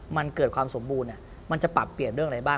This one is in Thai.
มันเกิดความสมบูรณ์มันจะปรับเปลี่ยนเรื่องอะไรบ้าง